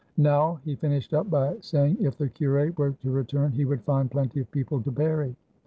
"Now," he finished up by say ing, "if the cure were to return, he would find plenty of people to bury!"